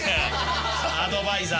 アドバイザー。